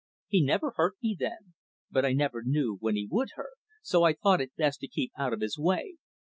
He never hurt me then. But I never knew when he would hurt. So I thought it best to keep out of his way.